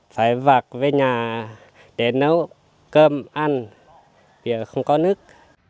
phải vạc về nhà để nấu cơm ăn bây giờ không có nước